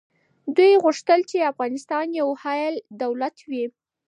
دوی غوښتل چي افغانستان یو حایل دولت وي.